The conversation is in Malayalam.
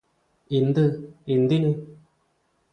എന്ത് എന്തിന്